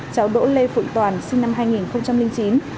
cháu đỗ lê phụ toàn sinh năm hai nghìn chín